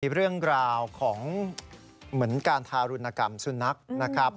เรื่องราวของเหมือนการทารุณกรรมสุนัขนะครับ